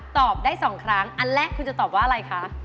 ตอบได้๒ครั้งอันแรกคุณจะตอบว่าอะไรคะ